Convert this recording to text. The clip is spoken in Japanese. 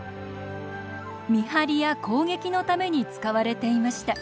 見張りや攻撃のために使われていました。